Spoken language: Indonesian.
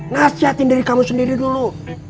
nasihatin diri kamu sendiri dulu